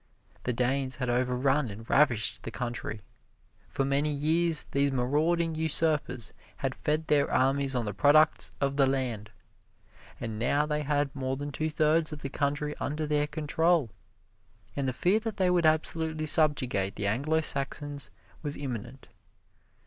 The Danes had overrun and ravished the country. For many years these marauding usurpers had fed their armies on the products of the land. And now they had more than two thirds of the country under their control, and the fear that they would absolutely subjugate the Anglo Saxons was imminent.